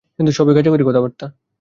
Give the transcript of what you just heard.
কিন্তু সবই গাঁজাখুরি কথাবার্তা।